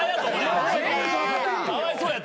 かわいそうやって。